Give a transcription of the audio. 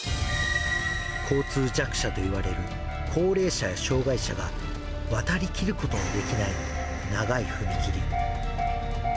交通弱者といわれる高齢者や障がい者が、渡りきることができない長い踏切。